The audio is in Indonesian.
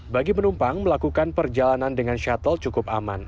bagi penumpang melakukan perjalanan dengan shuttle cukup aman